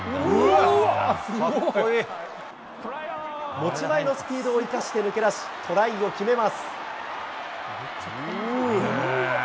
持ち前のスピードを生かして抜け出し、トライを決めます。